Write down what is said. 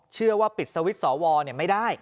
เชื่อว่าปิดสวิตช์สวไม่ได้